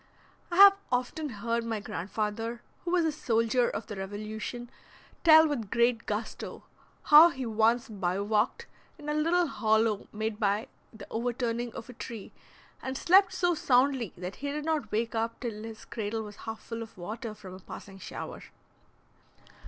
I have often heard my grand father, who was a soldier of the Revolution, tell with great gusto how he once bivouacked in a little hollow made by the overturning of a tree, and slept so soundly that he did not wake up till his cradle was half full of water from a passing shower.